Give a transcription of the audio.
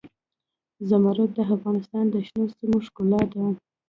زمرد د افغانستان د شنو سیمو ښکلا ده.